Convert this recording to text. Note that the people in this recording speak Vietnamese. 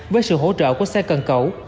với sự hỗ trợ của xe cần cẩu